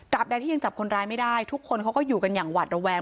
ใดที่ยังจับคนร้ายไม่ได้ทุกคนเขาก็อยู่กันอย่างหวาดระแวง